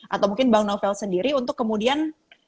atau mungkin bang novel sendiri untuk kemudian